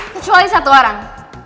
kecuali satu orang